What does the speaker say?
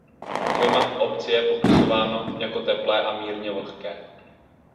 Klima v obci je popisováno jako teplé a mírně vlhké.